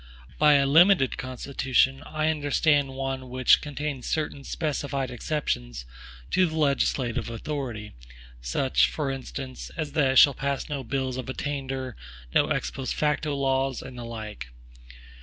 By a limited Constitution, I understand one which contains certain specified exceptions to the legislative authority; such, for instance, as that it shall pass no bills of attainder, no ex post facto laws, and the like.